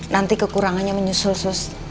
nanti kekurangannya menyusul sus